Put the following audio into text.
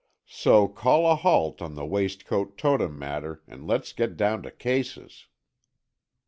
So, call a halt on the waistcoat totem matter, and let's get down to cases."